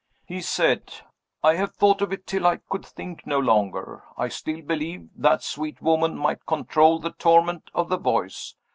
He said: "I have thought of it till I could think no longer. I still believe that sweet woman might control the torment of the voice.